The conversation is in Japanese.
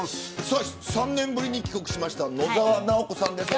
３年ぶりに帰国した野沢直子さんです。